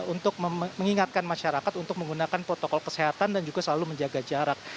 untuk mengingatkan masyarakat untuk menggunakan protokol kesehatan dan juga selalu menjaga jarak